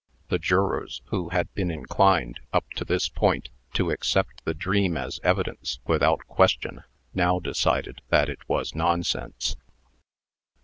The jurors, who had been inclined, up to this time, to accept the dream as evidence, without question, now decided that it was nonsense.